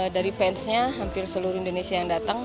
dari fansnya hampir seluruh indonesia yang datang